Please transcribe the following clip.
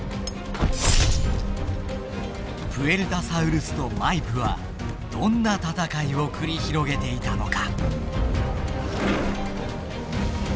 プエルタサウルスとマイプはどんな戦いを繰り広げていたのか。